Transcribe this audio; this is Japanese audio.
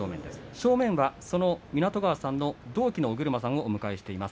正面はその湊川さんの同期の尾車さんをお迎えしています